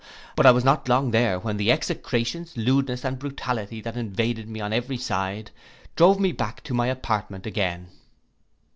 But I was not long there when the execrations, lewdness, and brutality that invaded me on every side, drove me back to my apartment again.